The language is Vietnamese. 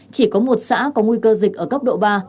chỉ có một xã có nguy cơ dịch ở cấp độ ba